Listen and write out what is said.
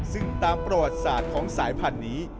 ซึ่งตามประวัติศาสตร์ของสายพันธุ์นี้